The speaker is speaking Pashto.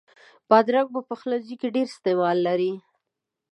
بادرنګ په پخلنځي کې ډېر استعمال لري.